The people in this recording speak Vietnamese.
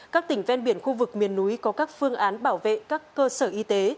các tỉnh ven biển khu vực miền núi có các phương án bảo vệ các cơ sở y tế